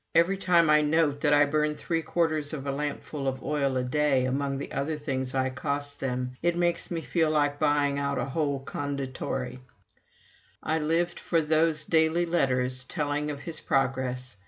Every time I note that I burn three quarters of a lampful of oil a day among the other things I cost them, it makes me feel like buying out a whole Conditorei." I lived for those daily letters telling of his progress.